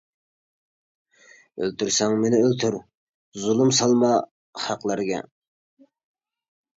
ئۆلتۈرسەڭ مېنى ئۆلتۈر، زۇلۇم سالما خەقلەرگە.